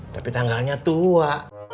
tapi tanggalnya tua